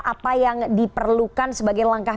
apa yang diperlukan sebagai langkah